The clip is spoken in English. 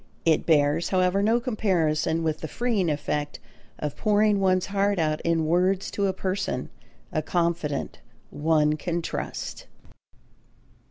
It bears, however, no comparison with the freeing effect of pouring one's heart out in words to a person, a confidant one can trust.